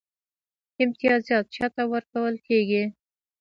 امتیازات چا ته ورکول کیږي؟